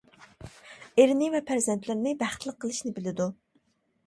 ئېرىنى ۋە پەرزەنتلىرىنى بەختلىك قىلىشنى بىلىدۇ.